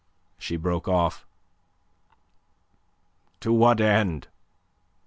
She broke off. "To what end?